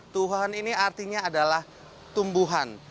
tuhan ini artinya adalah tumbuhan